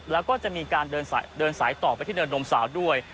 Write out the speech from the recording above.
แล้วก็จะมีการเดินสายต่อไปที่เนินนมสาวด้วย